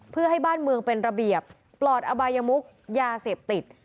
เพื่อให้บ้านเมืองเป็นระเบียบปลอดอบายมุกยาเสพติด